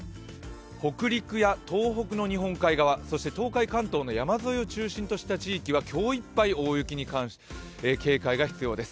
北陸や東北の日本海側、東海・関東の山沿いを中心とした地域は今日いっぱい大雪に警戒が必要です。